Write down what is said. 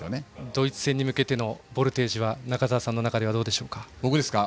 ドイツ戦に向けてのボルテージは中澤さんの中ではどうですか。